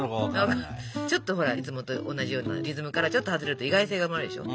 ちょっとほらいつもと同じようなリズムからちょっと外れると意外性が生まれるでしょ。